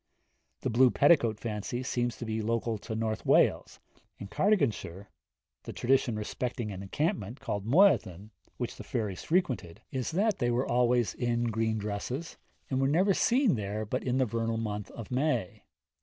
The blue petticoat fancy seems to be local to North Wales. In Cardiganshire, the tradition respecting an encampment called Moyddin, which the fairies frequented, is that they were always in green dresses, and were never seen there but in the vernal month of May.